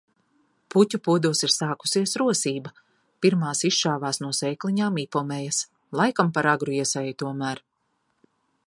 Puķupodos ir sākusies rosība. Pirmās izšāvās no sēkliņām ipomejas, laikam par agru iesēju tomēr.